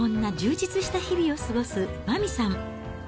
そんな充実した日々を過ごす麻美さん。